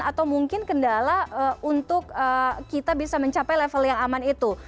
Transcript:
atau mungkin kendala untuk kita bisa mencapai level yang aman itu